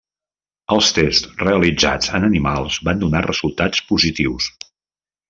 Els tests realitzats en animals van donar resultats positius.